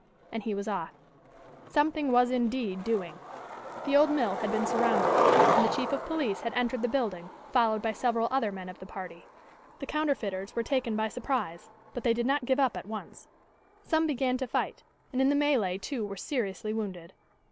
And he was off. Something was indeed doing. The old mill had been surrounded and the chief of police had entered the building, followed by several other men of the party. The counterfeiters were taken by surprise, but they did not give up at once. Some began to fight, and in the melee two were seriously wounded.